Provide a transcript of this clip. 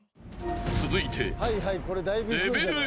［続いて］